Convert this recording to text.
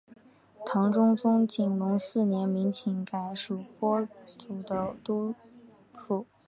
唐中宗景龙四年明州改属播州都督府。